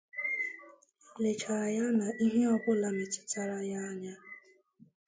lechàrá ya na ihe ọbụla metụtara ya anya